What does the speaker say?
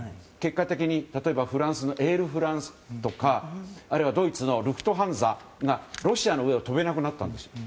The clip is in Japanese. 結果的に例えばフランスのエールフランスとかあるいはドイツのルフトハンザがロシアの上を飛べなくなったんです。